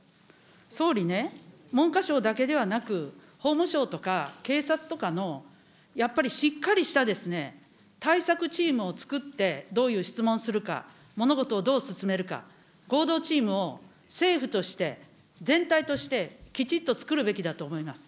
総理ね、文科省だけではなく、法務省とか警察とかの、やっぱりしっかりした対策チームをつくって、どういう質問するか、物事をどう進めるか、合同チームを政府として、全体として、きちっとつくるべきだと思います。